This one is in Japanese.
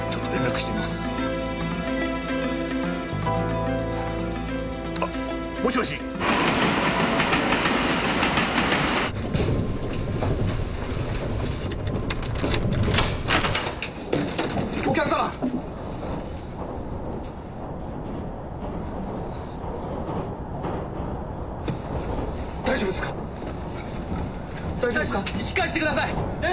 しっかりしてください！